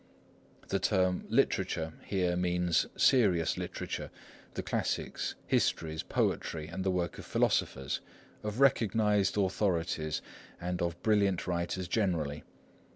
The term "literature" here means serious literature, the classics, histories, poetry, and the works of philosophers, of recognised authorities, and of brilliant writers generally.